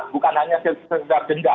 bukan hanya segera denda